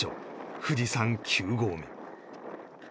富士山９合目